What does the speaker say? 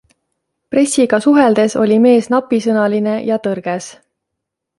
Pressiga suheldes oli mees napisõnaline ja tõrges.